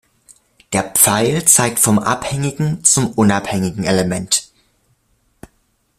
Der Pfeil zeigt vom abhängigen zum unabhängigen Element.